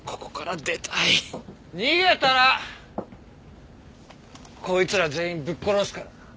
逃げたらこいつら全員ぶっ殺すからな。